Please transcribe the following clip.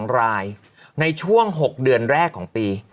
๒รายในช่วง๖เดือนแรกของปี